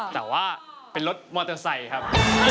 แต่ว่าเป็นรถมอเตอร์ไซค์ครับ